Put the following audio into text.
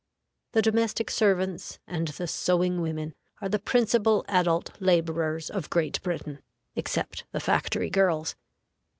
The domestic servants and the sewing women are the principal adult laborers of Great Britain, except the factory girls.